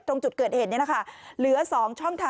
สุดยอดดีแล้วล่ะ